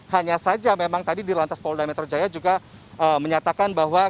hanya saja memang tadi di lantas polda metro jaya juga menyatakan bahwa